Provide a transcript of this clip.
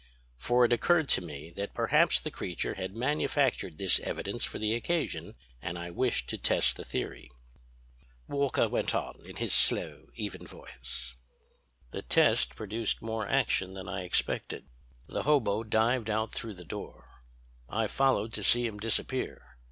For it occurred to me that perhaps the creature had manufactured this evidence for the occasion, and I wished to test the theory." Walker went on in his slow, even voice: "The test produced more action than I expected. "The hobo dived out through the door. I followed to see him disappear.